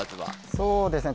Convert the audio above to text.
そうですね